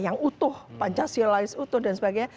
yang utuh pancasila yang utuh dan sebagainya